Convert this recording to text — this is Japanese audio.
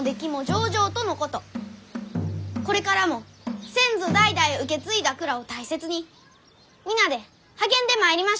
これからも先祖代々受け継いだ蔵を大切に皆で励んでまいりましょう。